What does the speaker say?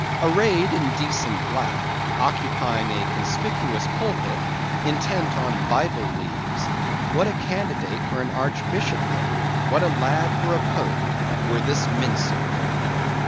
Arrayed in decent black; occupying a conspicuous pulpit; intent on bible leaves; what a candidate for an archbishopric, what a lad for a Pope were this mincer!